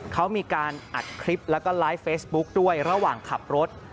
เขามีการอัดคลิปแล้วก็ไลฟ์เฟซบุ๊กด้วยระหว่างขับรถ